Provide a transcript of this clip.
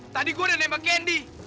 tadi gua udah nembak candy